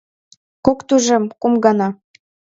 — Кок тӱжем — кум гана!!!